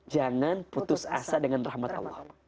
jangan putus asa dengan rahmat allah